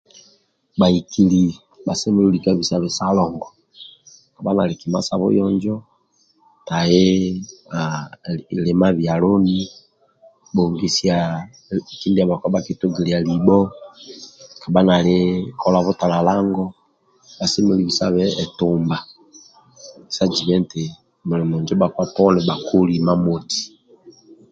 Bhaikili bhasemelelu lika bisabe salongo buyonjo tai haaa lima bioloni bongisia kindia bhakpa bhakitugila libho kolisa butalalango bhasemelelu bisabe etumba sa zibe eti mulimo injo bhakpa poni bhakoli imamoti